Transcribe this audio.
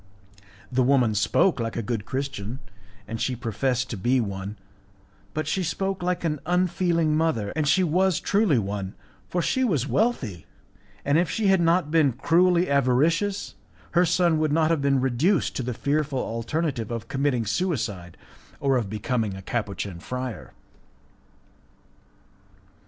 The woman spoke like a good Christian, and she professed to be one; but she spoke like an unfeeling mother, and she was truly one, for she was wealthy, and if she had not been cruelly avaricious her son would not have been reduced to the fearful alternative of committing suicide or of becoming a Capuchin friar.